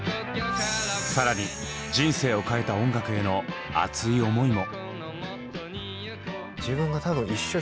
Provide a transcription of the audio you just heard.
更に「人生を変えた音楽」への熱い思いも。